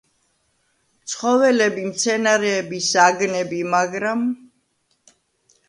ცხოველები, მცენარეები, საგნები, მაგრამ